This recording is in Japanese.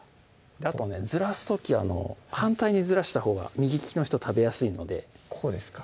あとねずらす時反対にずらしたほうが右利きの人食べやすいのでこうですか？